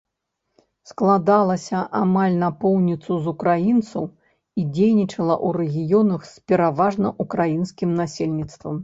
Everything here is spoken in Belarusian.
Складалася амаль напоўніцу з украінцаў і дзейнічала ў рэгіёнах з пераважна ўкраінскім насельніцтвам.